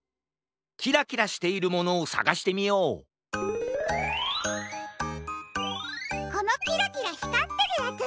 キラキラしているものをさがしてみようこのキラキラひかってるヤツだ！